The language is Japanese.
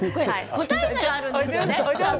個体差があるんですよね。